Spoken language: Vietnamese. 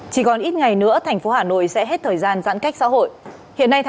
chỉ còn ít ngày nữa thành phố hà nội sẽ hết thời gian giãn cách xã hội